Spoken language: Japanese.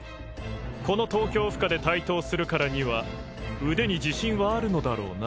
この東京府下で帯刀するからには腕に自信はあるのだろうな？